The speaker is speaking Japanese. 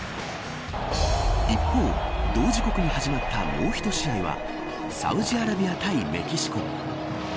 一方、同時刻に始まったもうひと試合はサウジアラビア対メキシコ。